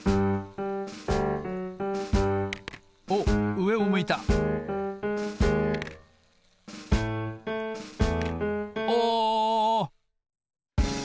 おっうえを向いたお！